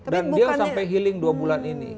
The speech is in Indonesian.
dia sampai healing dua bulan ini